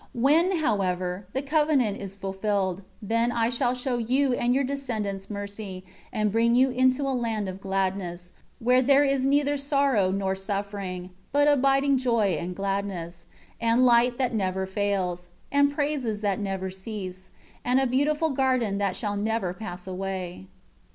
15 When, however, the covenant is fulfilled, then shall I show you and your descendants mercy, and bring you into a land of gladness, where there is neither sorrow nor suffering; but abiding joy and gladness, and light that never fails, and praises that never cease; and a beautiful garden that shall never pass away."